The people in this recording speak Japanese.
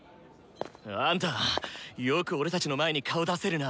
あんたよく俺たちの前に顔出せるな。